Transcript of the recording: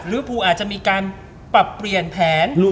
ลิเวอร์ฟูอาจจะมีการปรับเปลี่ยนแผน